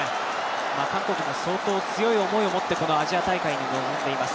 韓国も相当強い思いを持って、このアジア大会に臨んでいます